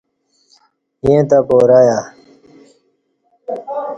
ییں تہ پارہ ایہ